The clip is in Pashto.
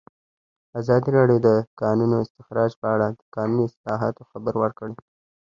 ازادي راډیو د د کانونو استخراج په اړه د قانوني اصلاحاتو خبر ورکړی.